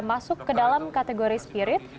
masuk ke dalam kategori spirit